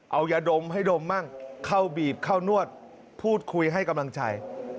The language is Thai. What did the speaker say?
เอายาดมให้ดมมั่งเข้าบีบเข้านวดพูดคุยให้กำลังใจ